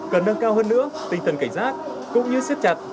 cần nâng cao hơn nữa tinh thần cảnh giác cũng như siết chặt